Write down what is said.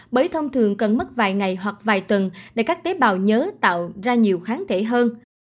bởi thông thường cần mất vài ngày hoặc vài tuần để các tế bào nhớ tạo ra nhiều kháng thể hơn